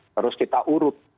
terus kita urut